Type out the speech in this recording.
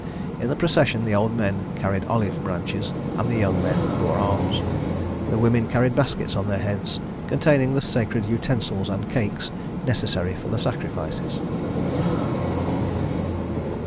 In the procession the old men carried olive branches and the young men bore arms. The women carried baskets on their heads containing the sacred utensils and cakes necessary for the sacrifices.